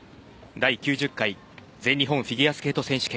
第９０回全日本フィギュアスケート選手権。